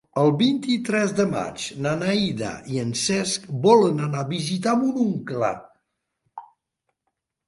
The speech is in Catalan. El vint-i-tres de maig na Neida i en Cesc volen anar a visitar mon oncle.